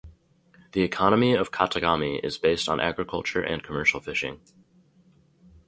The economy of Katagami is based on agriculture and commercial fishing.